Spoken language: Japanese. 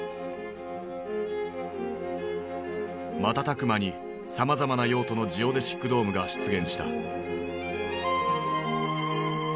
瞬く間にさまざまな用途のジオデシックドームが出現した。